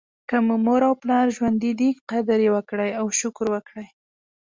که مو مور او پلار ژوندي دي قدر یې وکړئ او شکر وکړئ.